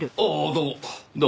どうも。